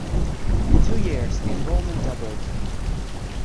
In two years the enrollment doubled.